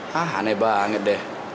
hah aneh banget deh